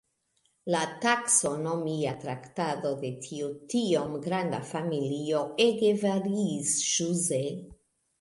La taksonomia traktado de tiu tiom granda familio ege variis ĵuse.